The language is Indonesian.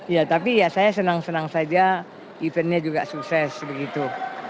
ya tapi ya saya senang senang saja eventnya juga sukses begitu